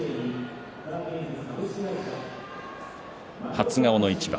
初顔の一番。